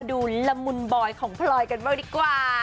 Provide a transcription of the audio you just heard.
ละมุนบอยของพลอยกันบ้างดีกว่า